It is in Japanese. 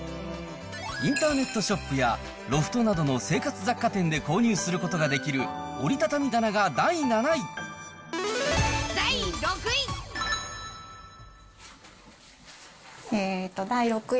インターネットショップや、ロフトなどの生活雑貨店で購入することができる、第６位。